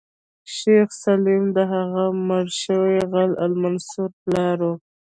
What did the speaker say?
شیخ سلیم د هغه مړ شوي غل المنصور پلار و.